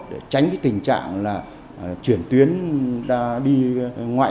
để tránh cái tình trạng là chuyển tuyến ra đi ngoại